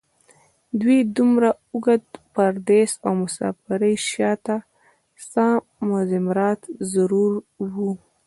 د دوي دومره اوږد پرديس او مسافرۍ شا ته څۀ مضمرات ضرور وو